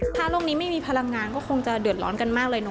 ถ้าโลกนี้ไม่มีพลังงานก็คงจะเดือดร้อนกันมากเลยเน